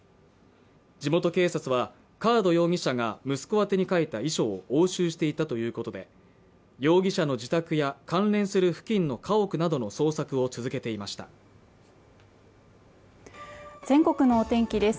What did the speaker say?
地元警察はカード容疑者が息子宛に書いた遺書を押収していたということで容疑者の自宅や関連する付近の家屋などの捜索を続けていました全国のお天気です